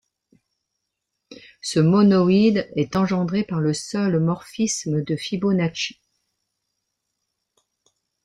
Ce monoïde est engendré par le seul morphisme de Fibonacci.